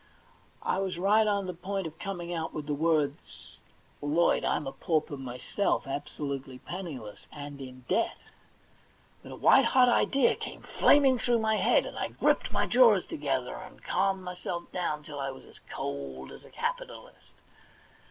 I was right on the point of coming out with the words, * Lloyd, I'm a pauper myself — absolutely penniless, and in deht !' But a white hot idea came flaming through my head, and I gripped my jaws together, and calmed myself down till I was as cold as a capitalist.